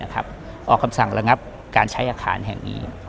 ออกคำสั่งระงับการใช้อาคารแห่งนี้